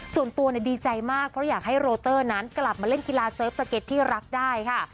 ส่วนตัวดีใจมากเพราะอยากให้โรเตอร์นั้นกลับมาเล่นกีฬาเสิร์ฟสเก็ตที่รักได้ค่ะ